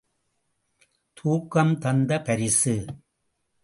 தூக்கம் தந்த பரிசு!